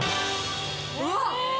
うわっ！